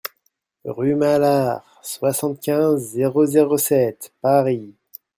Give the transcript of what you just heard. Rue Malar, soixante-quinze, zéro zéro sept Paris